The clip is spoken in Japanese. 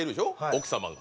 奥様が。